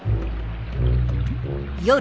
夜。